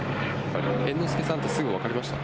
猿之助さんってすぐ分かりました？